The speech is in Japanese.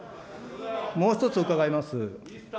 もう１つ伺います。